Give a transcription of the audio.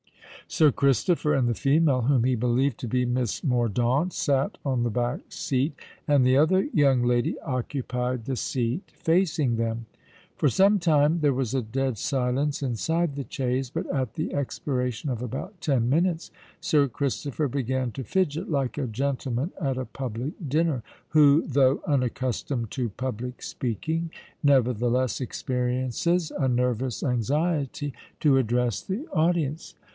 Sir Christopher and the female whom he believed to be Miss Mordaunt, sate on the back seat, and the other young lady occupied the seat facing them. For some time there was a dead silence inside the chaise; but at the expiration of about ten minutes, Sir Christopher began to fidget like a gentleman at a public dinner, who, though "unaccustomed to public speaking," nevertheless experiences a nervous anxiety to address the audience.